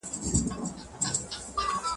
آیا ته پوهېږې چې ارمان کاکا څو کلن دی؟